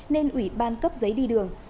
nên ủy ban cấp giấy đi đường